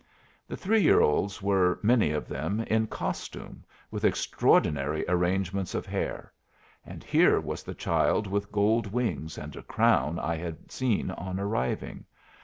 The three year olds were, many of them, in costume, with extraordinary arrangements of hair; and here was the child with gold wings and a crown I had seen on arriving.